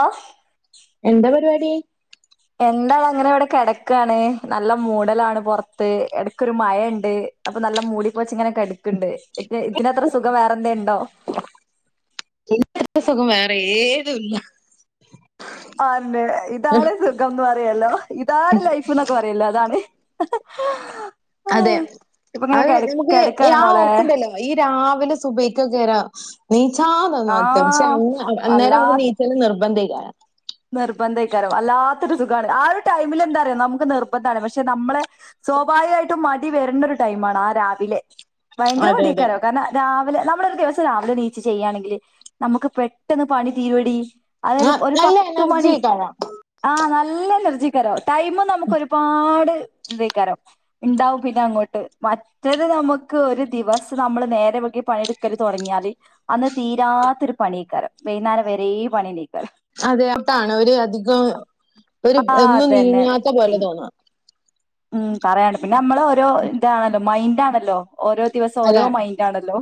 ആ എന്താ പരുപാടി എന്താവാൻ അങ്ങനെ ഇവിടെ കെടക്കാണ് നല്ല മൂടലാണ് പൊറത്ത് എടക്കൊരു മഴേണ്ട് അപ്പൊ നല്ല മൂടിപൊതച് ഇങ്ങനെ കെടക്ക്ണ്ട് ഇതിനത്ര സുഖം വേറെ എന്തേണ്ടോ ഇങ്ങനത്തെ സുഗം വേറെ ഏതുല്ല ആന്നെ ഇതാണ് സു എന്ന് പറയേല്ലോ ഇതാണ് ലൈഫ്ന്നൊക്കെ പറയല്ലോ അതാണ് അതെ ഇപ്പൊ ഇങ്ങനെ അത് കിട നിനക്ക് കിടക്കാണ് ആ മോളെ ഒറപ്പുണ്ടല്ലൊ ഈ രാവിലെ സുബഹിക്കക്കെരം നീച്ചാ തോന്നാതെ പക്ഷെ ആഹ് അന്നേരം നമ്മുക് നീ ക്കല് നിർബന്ധയിക്കാരം നിർബന്ധയിക്കാരും വല്ലാത്തൊരു സുഖാണ് ആ ഒരു ടൈമിലെന്താറിയോ നമുക്ക് നിർബന്ധാണ് പക്ഷെ നമ്മള് സ്വാഭാവികായിട്ടും മടി വെരുന്ന ഒരു ടൈമാണ് ആ രാവിലെ ഭയങ്കര അതെ അതെ മടിയായിക്കാണും കാർണം രാവിലെ നമ്മളൊരു ദിവസം രാവിലെണീച്ച് ചെയ്യാണെങ്കില് നമുക്ക് പെട്ടന്ന് പണി തീരൂടി അതൊരു ഒര് നല്ല പത്ത് എനർജി കാണാം ആഹ് നല്ല എനർജിക്കാരം ടൈമും നമുക്ക് ഒരുപാട് ഇതേക്കാരം ഇണ്ടാവും പിന്നെ അങ്ങോട്ട് മ റ്റേത് നമുക്ക് ഒരു ദിവസം നമ്മള് നേരം വൈകി പണിയട്ക്കല് തൊടങ്ങിയാല് അന്ന് തീരാത്തൊരു പണിയ്ക്കാരം വൈന്നാരം വരേ പണിയന്നെയ്ക്കാരം അതെ അതാണ് ഒര് അധികം ഒരു ആഹ് ഒന്നും അതന്നെ നീങ്ങാത്ത പോല പിന്നെ തോന്നാം ഉം പറയാണ്ടൊ പിന്നെ നമ്മളെ ഓരോ ഇതാണല്ലോ മൈൻഡാണല്ലോ ഓരോ ദിവസം ഓരോ അതെ മൈൻഡ് ണ്ടാണല്ലോ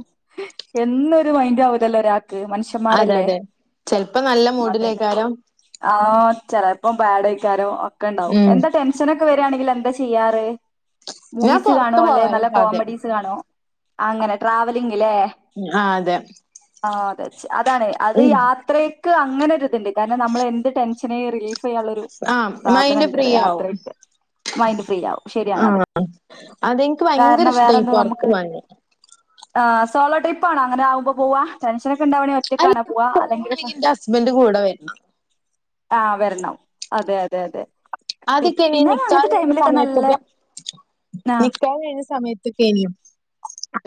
എന്നും ഒര് മൈൻഡാവുലല്ലോ ഒരാ അതെ അതെ ചെലപ്പം നല്ല അതന്നെ മൂഡിലായിക്കാരം ആഹ് ചെലപ്പം ബാഡയ്ക്കാരം ഒക്കെണ്ടാവും ഉം എന്താ ടെൻഷനൊക്കെ വര്യാണെങ്കില് എന്താ ചെയ്യാറ് ഞാൻ മൂവീസ് പുറത്തു കാണോ അല്ലെ പോവാനും നല്ല സാധ്യത കോമഡീസ് കാണോ അങ്ങനെ ട്രാവലിംഗ് ല്ലേ ആഹ് അതെ ആഹ് അതാര്ച്ച് അതാണ് അത് ഉം. യാത്രേ ക്ക് അങ്ങനൊര്ത്ണ്ട് കാരണം നമ്മളെ എന്ത് ടെൻഷനേം റിലീഫെയ്യാള്ളൊരു ആ മൈൻഡ് സാധന്ണ്ട് ഫ്രീ പറയാ ആവും യാത്രക്ക് മൈൻഡ് ഫ്രീയാവും ആ ശരിയാണത് അതെനിക്ക് ഭയങ്കര കാരണം ഇഷ്ടമായി വേറെന്താ പുറത്തു നമുക്ക് പോകാൻ ആഹ് സോളോ ട്രിപ്പാണോ അങ്ങനെ ആവുമ്പോ പോവാ ടെൻഷനൊക്കെ ഇണ്ടാവണെങ്കി അല്ല ഒറ്റക്കാണോ പോവാ അല്ലെങ്കില് പോവാണെങ്കിൽ എന്റെ ഹസ്ബൻഡ് കൂടെ വരണം ആഹ് വെർണം അതെ അതെ അതെ പി ആദ്യൊക്കാണെ ഈ പിന്നെ അങ്ങനത്തെ നിക്കാഹ് കയ്ഞ്ഞ ടൈമിലൊക്കെ നല്ല സമയത്തൊക്കെ നി ആഹ് നിക്കാഹ് കയ്ഞ്ഞ സമയത്തൊക്കെയ്നി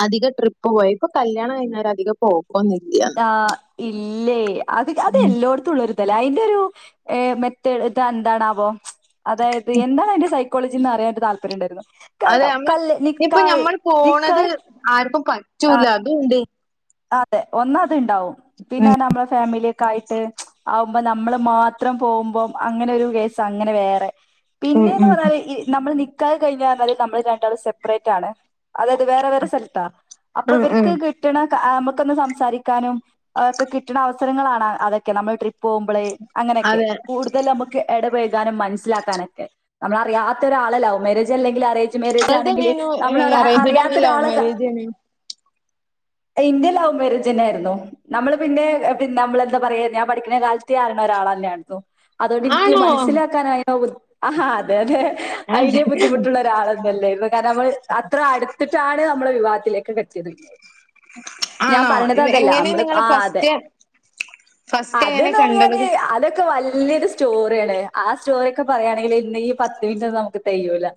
അധികം ട്രിപ്പ് പോയത് ഇപ്പം കല്യാണം കയ്ഞ്ഞോര അധികം പോക്കൊന്നുല്യാ ആഹ് ഇല്ലേ അത് അത്എല്ലോട് ത്തുള്ള ഒര്തല്ലേ അതിന്റെ ഒരു മെത്തേഡ് ഇത് എന്താണാവോ അതായത് എന്താണ് അയ്ൻ്റെ സൈ കോളജീന്ന് അറിയൻ ഒര് താല്പര്യണ്ടായിരുന്നു അതെ നമ്മള് ഇഞ്ഞ് ഇപ്പം ഞമ്മള് പോണത് നിക്കാഹ് ആർക്കും പറ്റൂല്ല അതൂണ്ട് അതെ ഒന്ന് അത്ണ്ടാവും പിന്നെ പറഞ്ഞാ ഞമ്മളെ ഫാമില്യൊക്കായിട്ട് ആ വുമ്പം നമ്മള് മാത്രം പോകുമ്പം അങ്ങനെ ഒരു കേസ് അങ്ങനെ വേറെ ഉം പിന്നെന്ന് ഉം പറഞ്ഞാല് ഈ നമ്മള് നിക്കാഹ് കഴിഞ്ഞന്നാല് നമ്മള് രണ്ടാളും സെപ്പറേറ്റ് ആണ് അതായത് വേറെ വേറെ സ്ഥലത്താ അപ്പം ഉം ഉം ഇവർക്ക് കിട്ട്ണെ ഞമ്മൊക്കൊന്ന് സംസാരിക്കാനും ഒക്കെ കിട്ട്ണ അവസരങ്ങളാണ് അതൊക്കെ നമ്മള് ട്രിപ്പ് പോകുമ്പള് അങ്ങനെക്കെ അതെ കൂടു തല് നമുക്ക് ഇടപെയകാനും മനസ്സിലാക്കാനൊക്കെ നമ്മള് അറിയാത്ത ഒരാളെ ലൗ മരേജ് അല്ലെങ്കിലും അറെയ് നിങ്ങളത് ലൗമേരേജ്ണെങ്കില് എങ്ങനേനു നമ്മള് അറേഞ്ച്ഡ് അറിയാത്ത ആണോ ലവ് ഒരാളൊക്കെ കാ മാരേജേനു ഇൻ്റെ ലൗ മേരേജെന്നെ ആയിരുന്നു നമ്മള് പിന്നെ നമ്മളെന്താ പറയാ ഞാൻ പഠിക്ക്ണെ കാലത്തേ അറിണറ ഒരാളെന്നെ ആയിരുന്നു അതോണ്ട് ഇൻക്ക് ആണോ മനസ്സിലാക്കാൻ ആയി [unintelligible] ആഹാ അതെ അതെ അതിന് ബുദ്ധിമുട്ടുള്ള ഒരാളൊന്നല്ലേരുന്നു കാരണം നമ്മള് അത്ര അടു എന്നിട്ടാണ് നമ്മള് വിവാഹത്തിലേക്ക് ഒക്കെ എത്യേത് ഞാൻ ആണോ പറിണത് ഇത് അതല്ല എങ്ങനെ നമ്മള് നിങ്ങളെ ആഹ് അതെ ഫസ്റ്റ് ഫസ്റ്റ് അത് എങ്ങനെ ന്ന് പറയാന് കണ്ടത് അതൊക്കെ വല്യൊരു സ് സ്റ്റോറിയാണ് ആ സ്റ്റോറിയൊക്കെ പറയാണെങ്കില് ഇന്ന് ഈ പത്ത് മിനിറ്റ് ഒന്നു നമുക്ക് തെയൂല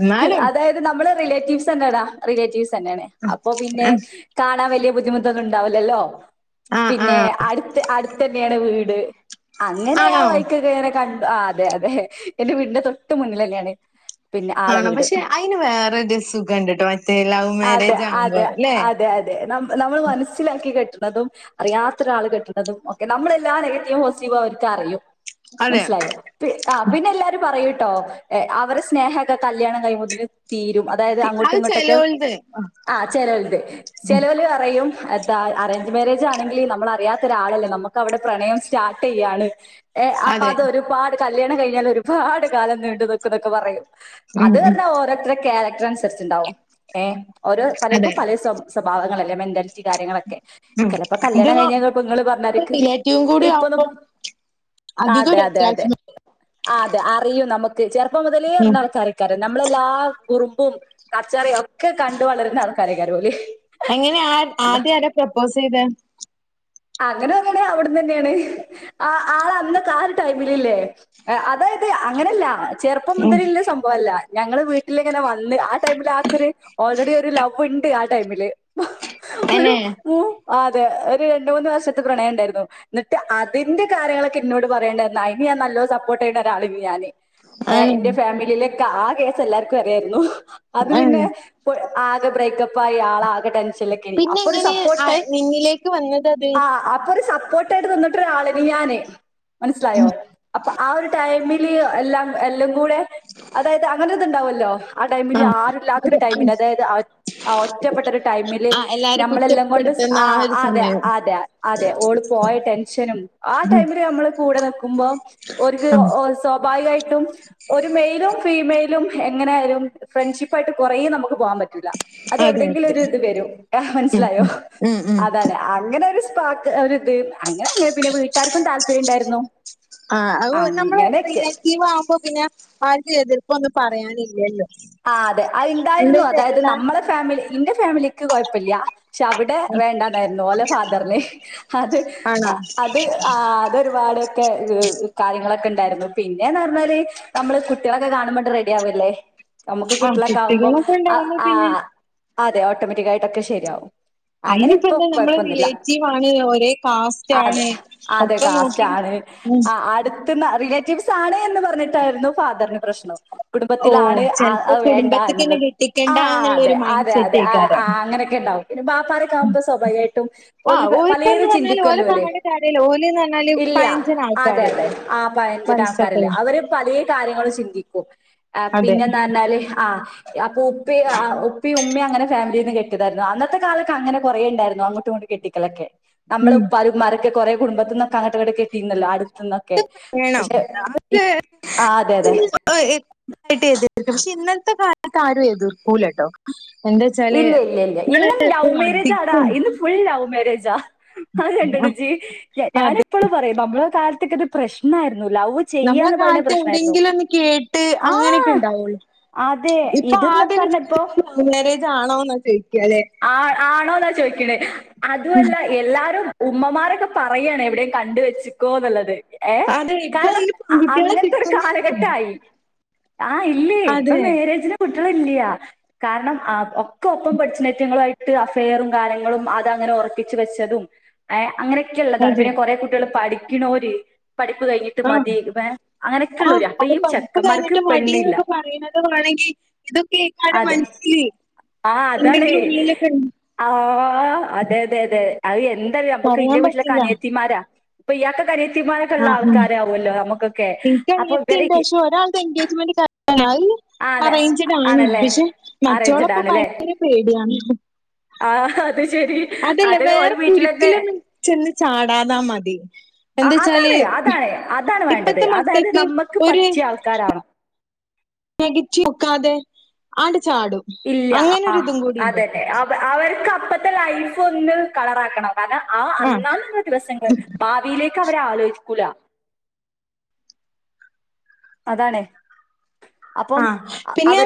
എന്നാലും അതായത് നമ്മള് റിലേറ്റീവ്സ് തന്നടാ റിലേറ്റീവ്സ് തന്നെയാണ് അപ്പം പിന്നെ കാണാൻ വല്യ ബുദ്ധിമുട്ടൊന്നും ഉണ്ടാവുലല്ലോ ആഹ് പിന്നെ ആഹ് അടുത്ത് അടു ത്തെന്യാണ് വീട് അങ്ങനെ ആ ആണോ വൈക്കൊക്കെ ഇങ്ങനെ കണ്ട് ആഹ് അതെ അതെ എന്റെ വീടിന്റെ തൊട്ട് മുന്നിലെന്നെയാണ് ആണോ പക്ഷെ അയ്ന് വേറെ സുഖണ്ട്ട്ടോ മറ്റേ ലൗവ് അതെ മാരേജ് അതെ ആവുമ്പം ല്ലെ അതെ അതെ ന നമ്മൾ മനസ്സിലാക്കി കെട്ട്ണതും അറിയാത്തൊരാണ് കെട്ട്ണതും ഒക്കെ നമ്മളെല്ലാ നെഗറ്റീവും പോസിറ്റീവും അവർക്ക് അറിയും അതെ മനസ്സിലായോ പി ആഹ് പിന്നെ എല്ലാരും പറയൂട്ടോ അവരെ സ്നേഹോക്കെ കല്യാണം കയ്യുമ്പോത്തിന് തീരും അതായത് അങ്ങോട്ടും അത് ഇങ്ങോട്ടൊക്കെ ചെലോൽത് ആ ചിലെല്ത് ഉം ചില പറയും എത്താ അറേഞ്ച് മാരേജ് ആണെങ്കിൽ നമ്മള് അറിയാത്ത ഒരാളല്ലേ നമുക്ക് അവിടെ പ്രണയം സ്റ്റാർട്ട് ചെയ്യയാണ് ഏ അപ്പൊ അതെ അതൊരുപാട് കല്യാണം കഴിഞ്ഞാൽ ഒരുപാട് കാലം നീണ്ടു നിക്കുന്നൊക്കെ പറയും ഉം അത് ഉം പറഞ്ഞാൽ ഓരോരുടെ ക്യാരക്ടർ അനുസരിച്ചുണ്ടാവും ഏഹ് ഓരോ അതെ പലർക്കും പല സ്വാഭാ സ്വഭാവങ്ങള അല്ലെ മെന്റാലിറ്റി കാര്യങ്ങളൊക്കെ ഉം ചിലപ്പോ ഇത് കല്യാണം കഴിഞ്ഞാൽ ചെലപ്പം നിങ്ങള് പറഞ്ഞമാതിരിക്ക് റിലേറ്റീവും കൂടി ട്രിപ്പ് ഒന്നും ആവുമ്പോ അധിക അതെ ഒരു അതെ അതെ അറ്റാച്ച്മെന്റ് ആ അതെ അറിയും നമുക്ക് ചെറുപ്പം മുതലേ ഉം അറിണ അള്ക്കാര് ക നമ്മളെല്ലാ കുറുമ്പും കച്ചറ ഒക്കെ കണ്ട വളരുന്നാണ് ആളകാര്യ യക്കാരം ഓല് എങ്ങനെയ ആ ആദ്യം ആരാ പ്രപ്പോസ് ചെയ്ത അങ്ങനെ തോന്നാണെങ്കി അവിടന്ന് തന്നെയാണ് ആ ആള അന്നക്കെ ആ ഒരു ടൈമിലല്ലേ അതായത് അങ്ങനെയല്ല ചെറുപ്പ ഉം മുതല് ഇല്ല സംഭവല്ല ഞങ്ങള് വീട്ടിലിങ്ങനെ വന്ന് ആ ടൈമില് ആക്കൊരു ഓൾറെഡി ഒരു ലവ് ഉണ്ട് ആ ടൈമില് ഒരു തന്നെ മൂ അതെ ഒരു രണ്ട മൂന്ന് വർഷത്തെ പ്രണയം ഉണ്ടായിരുന്നു എന്നിട്ട് അതിന്റെ കാര്യങ്ങളൊക്കെ എന്നന്നോട് പറയേണ്ടന്ന അയ്ന് ഞാൻ നല്ലോ സപ്പോർട്ട് ചെയ്യണ്ട ഒരാളി ഞാന് ആണ് എന്റെ ഫാമിലിയിലൊക്കെ ആ കേസ് എല്ലാർക്കും അറിയായിരുന്നു അത് ആഹ് പിന്നെ ഇ ആകെ ബ്രേക്കപ്പ് ആയി. ആള് ആകെ ടെൻ ഷനൊക്കെ പിന്നെ അപ്പൊരു എങ്ങനെ ആ സപ്പോർട്ട് നിന്നിലേക്ക് വന്നത് അത് [unintelligible] ആ അപ്പൊ രു സപ്പോർട്ട് ടുന്നിന്നിട്ട് ഒരാള്. നി ഞാന് മനസ്സിലയൊ. അപ്പൊ ആ ഒരു ടൈമില് എല്ല എല്ലം കൂടെ. അതായത് അങ്ങനെ ഒതു ഇത് ഇണ്ടാവല്ലോ. ആ ടൈമില്. ആഹ് ആരുല്ലാത്തൊരു ഒരു ഉം. ടൈമില്. അതായത് ഒറ്റപ്പെട്ട ഒരു മില് ആ എല്ലാരും നമ്മളെല്ലം കൊണ്ടുസ്. കുറ്റപ്പെടുത്തുന്ന ആ ഒരു അതെ സമയം അതെ അതെ ഓള് പോയ ടെൻഷനും ആ ഉം ടൈമില് നമ്മള് കൂടെ നിക്കുമ്പം ഒ ഓർക്ക് ഉം. സ്വാഭാവികായിട്ടും. ഒരു മെയിലും ഫീമെയിലും എങ്ങനെ ആയിലും ഫ്രണ്ട്ഷിപ്പ് ആയിട്ട് കൊറേ നമക്ക് പോകാൻ പറ്റൂല്ല. അതെ അതെ വെരും ഉം മനസ്സിലായോ. ഉം ഉം ഉം അതാണ്. അങ്ങനെ ഒരു സാക്ക് അങ്ങനെങ്ങെ പിന്നെ വീട്ടാർക്കും താല്പര്യം ഉണ്ടായിരുന്നു. അങ്ങനെയൊക്കെ. ഇതാവുമ്പൊ പിന്നെ ആർക്ക് എതിർപ്പ് ഒന്നും പറയാനില്ലല്ലോ. ആ അതെ. അത് ഇണ്ടായിരുന്നു. എന്താച്ച അതായത് എല്ലാ നമ്മളെ ഫാമിലി ഇന്റെ ഫാമിലിക്ക് കൊഴപ്പല്ല. പക്ഷെ അവിടെ വേണ്ടന്നായിരുന്നു. ഓലെ ഫാദറിന്. അത് ആണോ അത് ആ ഒരുപാട് ഒക്കെ കാര്യങ്ങളൊക്കെ ഇണ്ടായിരുന്നു. പിന്നെന്ന് പറ്ഞ്ഞാല് നമ്മള് കുട്ട്യേളൊക്കെ കാണുമ്പ അയാവല്ലെ. നമുക്ക് ആഹ് കുട്ട്യേളൊക്കെ ആകുമ്പം. കുട്ടികളൊക്കെ ഉണ്ടാവുമ്പോ ആ പിന്നെ അതെ. ഓട്ടോമാറ്റിക് ആയിട്ടൊക്കെ ശരിയാവും. അങ്ങനെ അയിനിപ്പോ ഇപ്പ എന്താ നമ്മള് കുഴപ്പൊന്നുല്ല. റിലേറ്റീവ് ആണ് ഒരേ കാസ്റ്റ് അതെ ആണ് അതെ ഒക്കെ നോക്കി കാസ്റ്റാണ്. ഉം ആ അടുത്ത്ന്ന റിലേറ്റീവ്സ് ആണ് എന്ന് പറഞ്ഞിട്ടായിരുന്നു ഫാദറിന് പ്രശ്നം. ഓഹ് കുടുംബത്തിലാണ് ആ ചെലപ്പോ അ വേണ്ട. കുടുംബത്തിക്കന്നെ എന്ന്ള്ളത്. ആ കെട്ടിക്കണ്ട അതെ എന്നുള്ളൊരു മൈൻഡ് അതെ സെറ്റ് അതെ ആ ആ ആയിക്കാരം അങ്ങനെയൊക്കെ ഇണ്ടാവും. പിന്നെ ബാപ്പാരൊക്ക ആകുമ്പം സ്വാഭാവികായിട്ടും ആഹ് ഒന്ന് ഓല്ന്ന് പലയരും പറഞ്ഞാല് ഓലെ ചിന്തിക്കല്ലോ ഓല്. പറഞ്ഞിട്ട് കാര്യല്ല ഓല്ന്ന് പറഞ്ഞാല് ഇല്ല പഴഞ്ചൻ അതെ അതെ. ആൾക്കാരല്ലേ ആ പതിനഞ്ചിന്റെ വയസ്സൊക്കെ ആൾക്കാരല്ലെ അവര് പലേ കാര്യങ്ങളും ചിന്തിക്കും. അതെ പിന്നെന്ന് പറഞ്ഞാല് ആ. അപ്പൊ ഉപ്പി ഉപ്പി ഉമ്മി അങ്ങനെ ഫാമിലിന്ന് കെട്ടി അന്നത്തെ കാലൊക്കെ അങ്ങനെ കൊറേ ഇണ്ടായിരുന്നു. അങ്ങോട്ടും ഇങ്ങട്ട് കെട്ടിക്കലൊക്കെ നമ്മള് ഉം ഉപ്പാര ഉമാരെ ക്കെ കുടുംബത്തിന്നൊക്കെ അങ്ങട്ടു ഇങ്ങടൊ കെട്ടയിന്ന അടുത്തന്ന് - ക്കെ വേണം പക്ഷെ ആ അതെ അതെ. യിട്ട് എതിർക്കും പക്ഷെ ഇന്നത്തെ കാലത്ത് ആരും എതർക്കൂല കെട്ടോ. എന്തോയ്ച്ചാല് ഇല്ല ഇല്ല ഇല്ല. ഇങ്ങളെ ഇന്നും ലൗ [unintelligible] മാരേജാടാ. അധികം ഇന്ന് ഫുൾ ലവ് മാരേജാ. അത് കണ്ട്‌ണൊ ഇജ്. ഞാന് അതെ എപ്പളും പറയും. നമ്മളെ കാലത്തൊക്കെ ഇത് പ്രശ്നായിരുന്നു. നമ്മളെ ചെയ്യാന്ന് പറയണ കാലത്ത് പ്രശ്നായിരുന്നു. എവിടെയെങ്കിലും ഒന്ന് കേട്ട് അങ്ങനെയൊക്കെ ആഹ് ഉണ്ടാവൊള്ളൂ. അതെ ഇപ്പൊ ഇതെന്ന് ആദ്യം പറഞ്ഞപ്പോ ന്നെ ലവ് മാരേജ് ആണോ എന്നാ ചോയ്ക്കല്ലെ ആ. ആണോന്നാ ചോദിക്ക്ണെ അതുമല്ല - എല്ലാരും ഉമ്മമാരൊക്കെ പറയാണ് എവിടെയും കണ്ട് വെച്ചക്കോന്നുള്ളത്. ഏഹ്. അതെ ഇപ്പൊ കാരണം ഈ പെൺകുട്ടികളെ അങ്ങൻത്തൊരു കിട്ടുന്നില്ല കാലഘട്ടായി. ആ ഇല്ലേയ്. ഇപ്പ അതെ മാരേജിന് കുട്ട്യേളില്ല. കാരണം ഒക്കെ ഒപ്പം പഠിച്ച ങ്ങളായിട്ട് അഫെയറും കാലങ്ങളും അതങ്ങനെ ഒറപ്പിച്ച് വെച്ചതും. ഏ അങ്ങനൊക്കെ ഇള്ളതാ. അതെ പിന്നെ കൊറെ കുട്ടികള് പഠിക്കണോര് പഠിപ്പു കയിഞ്ഞി ആ. ആ. അത് ഈ പഠിപ്പ് ചെക്കന്മാർക്ക് കയിഞ്ഞിട്ട് പെണ്ണില്ല മടിന്നൊക്കെ പറിണത് വേണങ്കി ഇതൊക്കെക്കാരം അതെ മൻസില് ആഹ്. അതാണ്. [unintelligible] ആ അതെ അതെ അതെ. അതെന്തറിയ നമ്മുക്ക് ന്റെ പറയാൻ പറ്റില്ല വീട്ടിലെക്കനിയത്തിമാരാ ഇപ്പിയാക്ക് അനത്തിമാരക്കെള്ള ആ ആ ആൾക്കാരാവുല്ലോ നമുക്കൊക്കെ എനിക്ക് അപ്പൊ ഇവര് അനിയത്തിയുണ്ട് പക്ഷെ ഒരാളുടെ എൻഗേജ്മെന്റ് കഴിഞ്ഞു അത് ആന്ന് അറേഞ്ച്ഡ് ആണ് ആണല്ലേ പക്ഷെ അറേഞ്ച്ഡ് മറ്റോളൊക്കെ ആണല്ലേ ഭയങ്കര പേടിയാണ് ആഹാ അത് ശെരി അതല്ലേ വേറെ കുരുക്കിലൊന്നും ചെന്ന് ചാടാതാ മതി എന്താ ആഹ് വച്ചാല് അതാണ് അതാണ് അതാണ് വേണ്ടത് ഇപ്പത്തെ അതായത് മക്കക്ക് നമ്മക്ക് ഒരു പറ്റിയ ആൾക്കാരാവണം [unintelligible] നോക്കാതെ ആണ്ട് ചാടും ഇല്ല അങ്ങനെ ആ ഒരു ഇതും കൂടി ഉണ്ട് അതെന്നെ അവർക്കപ്പത്തെ ലൈഫ് ഒന്ന് കളറാക്കണം കാരണ ആ അന്നാന്ന ദിവസങ്ങൾ ഭാവിയിലേക്ക് അവര് ആലോചിക്കൂല അതാണേ ആഹ് പിന്നെ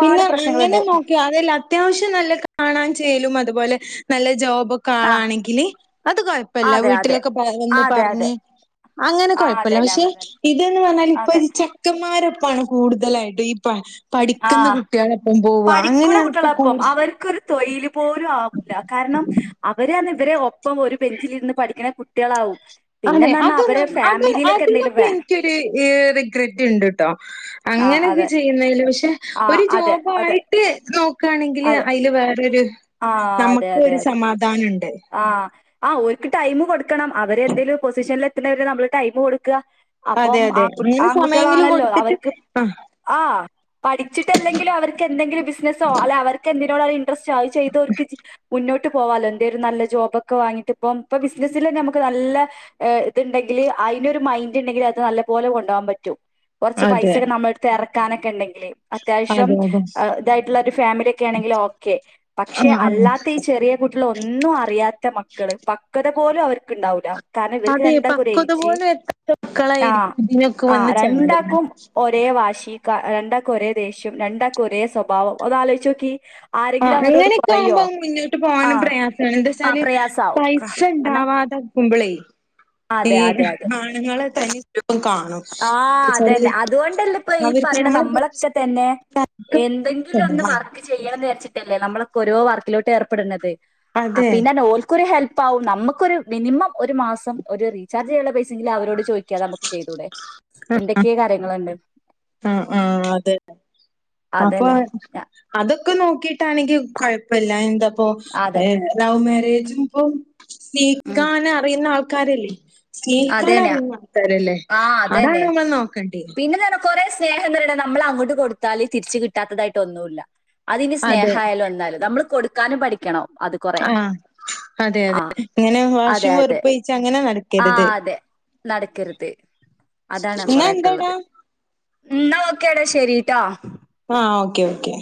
പിന്നെ അങ്ങനെ പ്രശ്നങ്ങളുണ്ട് നോ അതെല്ല അത്യാവശ്യം നല്ല കാണാൻ ചേലും അതുപോലെ നല്ല ജോബ് ആ ആളാണെങ്കില് അത് കൊയപ്പല്ല അതെ അതെ വീട്ടിലൊക്കെ വന്ന് അതെ അതെ പറഞ്ഞ് അങ്ങനെ ആ കൊഴപ്പില്ല അതന്നെ പക്ഷെ അതന്നെ ഇതന്ന് പറഞ്ഞാൽ അതെ ഇപ്പൊരു ചെ ഇക്കന്മാരൊപ്പാണ് കൂടുതലായിട്ടും ഈ പ ആ പഠിക്കുന്ന കു കുട്ടികളോടൊപ്പം പോവുവ അങ്ങനെയാണിപ്പ കു തൊയില് പോലും ആവൂല്ല കാരണം അവരാന്ന് ഇവരെ ഒപ്പം ഒരു ബെഞ്ചിലിരുന്ന് പഠിക്കണ കുട്ടികളാവും അതെ പിന്നെന്ന് പറഞ്ഞാൽ അവരെ അതൊന്നും അത് ഫാമിലിയിലൊക്കെ എന്തെങ്കിലും അതിനൊക്കെ വേണം എനിക്കൊരു റിഗ്രെറ്റ് ഇണ്ട്ട്ടോ ആ അങ്ങനെയക്കെ അതെ ചെയ്യുന്നേലും പക്ഷെ ആ ഒരു അതെ അതെ ജോബായിട്ട് നോ ക്കാണെങ്കില് അതെ അയില് വേറരു ആ നമുക്ക് ഒരു സമാധാനുണ്ട് ആഹ് ആ ഓരുക്ക് ടൈമ് കൊടുക്കണം അവരെന്തേലും പൊസിഷനിലെത്തുന്നവരെ നമ്മള് ടൈമ് കൊടുക്ക അതെ അപ്പം അതെ ആൺ അങ്ങനെ സമയെങ്കിലും ആൺകുട്ടികളാണല്ലോ കൊടുത്തിട്ട് അവർക്ക് ആഹ് ആ പഠിച്ചിട്ടല്ലെങ്കിലും അവർക്കെന്തെങ്കിലും ബിസിനസ്സോ അല്ലെ അവർക്കെന്തിനോട ഇൻട്രസ്റ്റ് അത് ചെയ്തവർക്ക് മുന്നോട്ട് പോവാല്ലോ എന്തേലും നല്ല ജോബൊക്കെ വാങ്ങിട്ട് ഇപ്പം ഇപ്പ ബിസിനസല് തന്നെ നമുക്ക് നല്ല ഏ ഇതുണ്ടെങ്കില് അയിനൊരു മൈൻഡ് ഇണ്ടെങ്കില് അത് നല്ലപോലെ കൊണ്ടുപോവാൻ പറ്റും കൊറച്ച് അതെ പൈസൊക്കെ നമ്മളടു ഇറക്കാനക്കെയിണ്ടെങ്കില് അത്യാവശ്യം അതെ അതെ ഇതായിട്ടുള്ളരു ഫാമിലിയക്കെ ആണെങ്കില് ഓക്കെ പക്ഷെ ആഹ് ആഹ് അല്ലാത്ത ഈ ചെറിയ കുട്ടിള് ഒന്നും അറിയാത്ത മക്കള് പക്വത പോലും അവർക്ക്ണ്ടാവൂല കാരണം ഇവർക്ക് അതെ രണ്ടാക്കും ഒരു പക്വത ഏജ് പോലും എത്താത്ത ആഹ് മക്കളായിരിക്കും ഇതിനൊക്കെ ആഹ് വന്ന് ചാടുന്നെ രണ്ടാക്കും ഒരേ വാശി രണ്ടാക്കും ഒരേ ദേഷ്യം രണ്ടാക്കും ഒരേ സ്വഭാവം ഒന്നലോചിച്ച് നോക്കി ആ ആരെങ്കിലും അങ്ങോട്ടും ഇങ്ങോട്ടും കുറയോ അങ്ങനൊക്കാമ്പ മുന്നോട്ട് പോവാനും ആഹ് പ്രയാ എന്താ ആഹ് വെച്ചാല് പ്രയാസാവും ക- കാരണം പൈസണ്ടാവാതെ നിക്കുമ്പളെ ഈ അതെ അതെ അതെ ആണുങ്ങളെ തനി [unintelligible] കാണും എന്താ ആഹ് വെച്ചാല് അതന്നെ അതൊണ്ടല്ലേ ഇപ്പൊ ഈ അവർക്ക് പറയണ നമ്മള് നമ്മളക്കെ തന്നെ എന്തെങ്കിലൊന്ന് ചെലവാണ് വർക്ക് ചെയ്യണന്ന് വെച്ചിട്ടില്ലേ നമ്മളക്ക ഓരോ വർക്കിലോട്ട് ഏർപ്പെടുന്നത് അതെ പിന്നെ ഓർ ഒരു ഹെൽപാവും നമുക്കൊരു മിനിമം ഒരു മാസം ഒരു ചാർജ് ചെയ്യാനുള്ള പൈസങ്കിലും അവരോട് ചോദിക്കാതെ നമക്ക് ചെയ്തൂടെ എന്തൊക്കെ കാര്യങ്ങള്ണ്ട് ആഹ് ആഹ് അതെ അപ്പൊ അതന്നെ ഞാ- അതൊക്കെ നോക്കീട്ടാണെങ്കി കൊഴപ്പല്ല എന്താപ്പോ അതെ ഏഹ് ലവ് മാരേജും ഇപ്പം ഉം സ്നേഹിക്കാനറീന്ന ആൾക്കാരല്ലേ സ്നേഹിക്കാൻ അതന്നെ അറീന്ന ആൾക്കാരല്ലേ ആ അതാണ് അതന്നെ നമ്മൾ നോക്കണ്ടെ പിന്നെ തന്നെ കൊറേ സ്നേഹം തരണം നമ്മൾ അങ്ങോട്ട് കൊടുത്താല് തിരിച്ച് കിട്ടാത്തതായിട്ട് ഒന്നുല്ല അതിനി അതെ സ്നേഹായാലും എന്തായാലും നമ്മൾ കൊടുക്കാനും പഠിക്കണം അത് കൊറേ ആഹ് അതെ ആ അതെ ഇങ്ങനെ വാശിം വെറുപ്പയ്ച്ച് അങ്ങനെ നട ആഹ് അതെ നടക്കര്ത് അതാണ് എന്നാ കൊറെ ഒക്കെളളത് എന്താടാ ന്നാ ഓക്കെടാ ശെരിട്ടോ ആഹ് ഓക്കെ ഓക്കെ